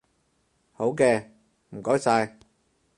好嘅，唔該晒